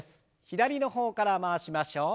左の方から回しましょう。